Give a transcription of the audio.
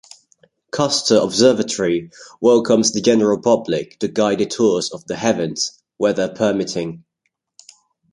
Custer Observatory welcomes the general public to guided tours of the heavens-weather permitting.